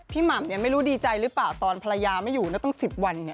พี่หม่ำนี่ไม่รู้ดีใจหรือเปล่าตอนภรรยาไม่อยู่แล้วต้องสิบวัน